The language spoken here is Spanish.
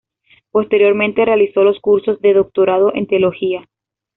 Posteriormente realizó los cursos de doctorado en Teología.